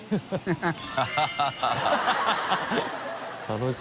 ハハハ